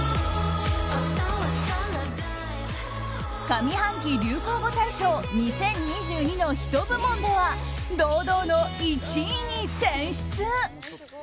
上半期流行語大賞２０２２のヒト部門では堂々の１位に選出。